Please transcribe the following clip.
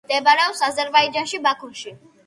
მდებარეობს აზერბაიჯანში, ბაქოში.